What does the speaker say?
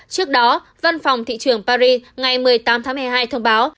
trước đó văn phòng thị trường paris ngày một mươi tám tháng một mươi hai thông báo